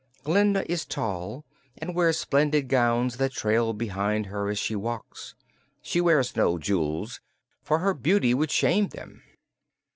Glinda is tall and wears splendid gowns that trail behind her as she walks. She wears no jewels, for her beauty would shame them.